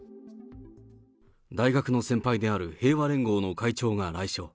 大学の先輩である平和連合の会長が来所。